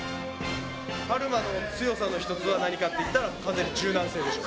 はるまの強さの一つは何かって言ったら柔軟性でしょう。